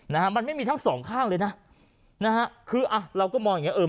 นะฮะมันไม่มีทั้งสองข้างเลยนะนะฮะคืออ่ะเราก็มองอย่างเงอ